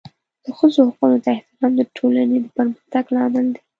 د ښځو حقونو ته احترام د ټولنې د پرمختګ لامل دی.